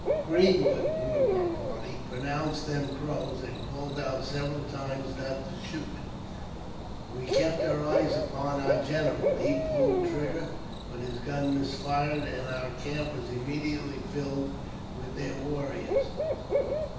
Greenwood (one of our party) pro nounced them Crows, and called out several times not to shoot. We kept our eyes upon our general ; he pulled trigger, but his gun missed fire, and our camp was immediately filled with their warriors.